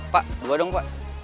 pak dua dong pak